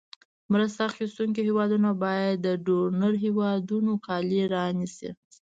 مرسته اخیستونکې هېوادونو باید د ډونر هېوادونو کالي رانیسي.